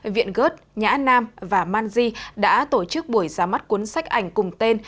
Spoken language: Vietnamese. viện gớt nhã nam và man di đã tổ chức buổi ra mắt cuốn sách ảnh cùng tên